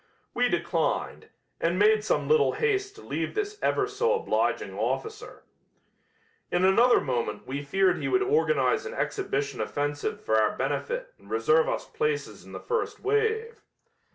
We declined, and made some little haste to leave this ever so obliging officer. In another moment we feared he would organize an exhibition offensive for our benefit and reserve us places in the first wave.